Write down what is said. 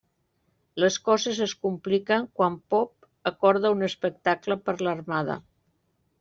Les coses es compliquen quan Pop acorda un espectacle per l'Armada.